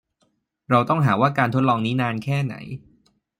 เราต้องหาว่าการทดลองนี้นานแค่ไหน